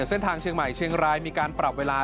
เส้นทางเชียงใหม่เชียงรายมีการปรับเวลา